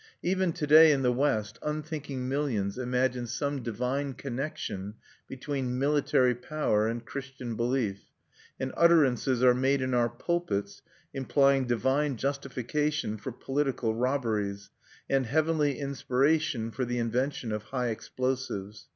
Even to day in the West unthinking millions imagine some divine connection between military power and Christian belief, and utterances are made in our pulpits implying divine justification for political robberies, and heavenly inspiration for the invention of high explosives.